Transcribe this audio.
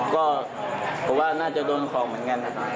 ก็ผมว่าน่าจะโดนของเหมือนกันนะครับ